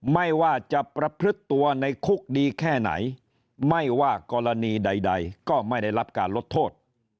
ไม่ว่าจะประพฤติตัวในคุกดีแค่ไหนไม่ว่ากรณีใดก็ไม่ได้รับการลดโทษ